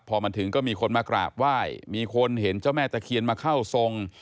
พอมาถึงก็มีคนมากราบไหว้มีคนเห็นเจ้าแม่ตะเคียนมาเข้าทรง